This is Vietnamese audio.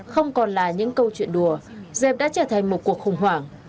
không còn là những câu chuyện đùa dẹp đã trở thành một cuộc khủng hoảng